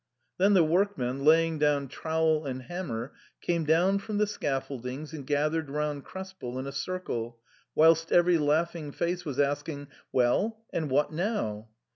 " Then the workmen, laying down trowel and hammer, came down from the scaf foldings and gathered round Krespel in a circle, whilst every laughing face was asking, "Well, and what now